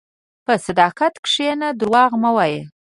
په صداقت کښېنه، دروغ مه وایې.